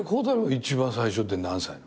一番最初って何歳？